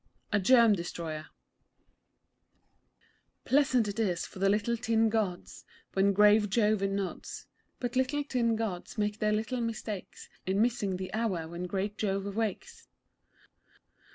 A GERM DESTROYER Pleasant it is for the Little Tin Gods When great Jove nods; But Little Tin Gods make their little mistakes In missing the hour when great Jove wakes.